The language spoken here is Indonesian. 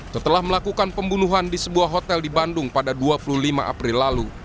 setelah melakukan pembunuhan di sebuah hotel di bandung pada dua puluh lima april lalu